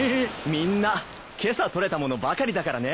みんな今朝とれたものばかりだからね。